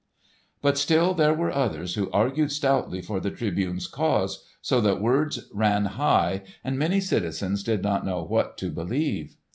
But still there were others who argued stoutly for the Tribune's cause, so that words ran high and many citizens did not know what to believe.